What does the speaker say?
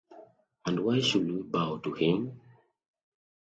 And why should we bow to him?